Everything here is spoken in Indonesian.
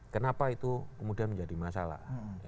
kenapa itu kemudian menjadi masalah